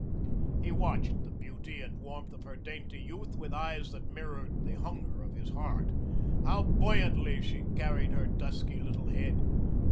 He watched the beauty and warmth of her dainty youth with eyes that mirrored the hunger of his heart. How buoyantly she carried her dusky little head!